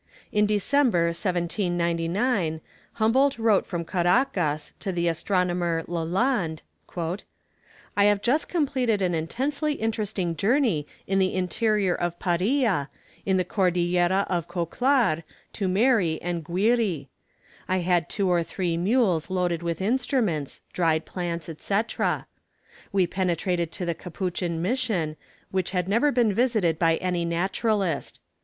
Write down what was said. In December, 1799, Humboldt wrote from Caracas to the astronomer Lalande: "I have just completed an intensely interesting journey in the interior of Paria, in the Cordillera of Cocolar, Tumeri, and Guiri. I had two or three mules loaded with instruments, dried plants, &c. We penetrated to the Capuchin mission, which had never been visited by any naturalist.